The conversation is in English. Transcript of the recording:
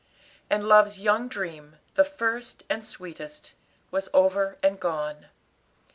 And love's young dream, the first, and sweetest, was over and gone.